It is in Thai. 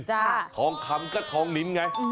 ทองคำก็ทองลิ้นไง